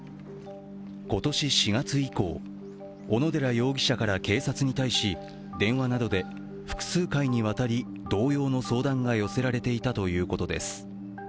今年４月以降、小野寺容疑者から警察に対し、電話などで複数回にわたり同様の相談が寄せられていたということです。